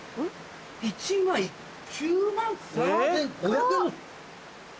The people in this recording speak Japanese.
「１枚９万３５００円」。